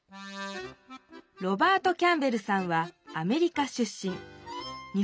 ロバート・キャンベルさんはアメリカ出しん。